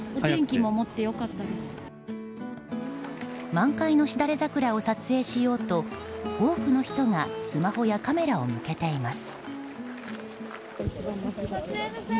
満開のシダレザクラを撮影しようと、多くの人がスマホやカメラを向けています。